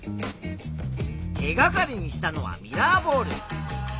手がかりにしたのはミラーボール。